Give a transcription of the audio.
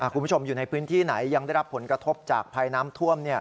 คุณผู้ชมอยู่ในพื้นที่ไหนยังได้รับผลกระทบจากภัยน้ำท่วม